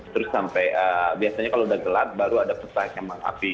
terus sampai biasanya kalau udah gelap baru ada petang yang mengapi